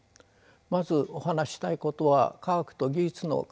まずお話ししたいことは科学と技術の関係です。